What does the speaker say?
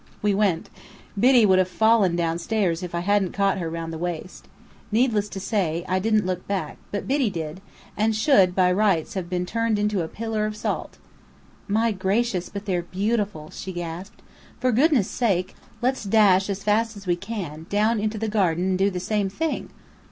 We went. Biddy would have fallen downstairs, if I hadn't caught her round the waist. Needless to say, I didn't look back; but Biddy did, and should by rights have been turned into a pillar of salt. "My gracious, but they're beautiful!" she gasped. "For goodness' sake, let's dash as fast as we can, down into the garden, and do the same thing!"